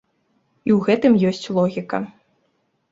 І ў гэтым ёсць логіка.